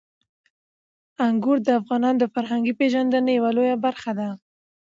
انګور د افغانانو د فرهنګي پیژندنې یوه لویه برخه ده.